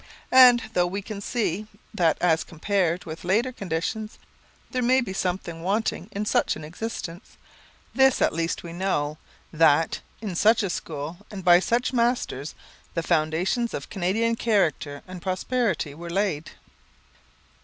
And though we can see that, as compared with later conditions, there may be something wanting in such an existence, this at least we know, that, in such a school and by such masters, the foundations of Canadian character and prosperity were laid.